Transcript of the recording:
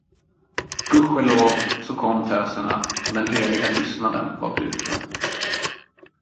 Gudskelov, så kom då töserna, och den heliga tystnaden var bruten.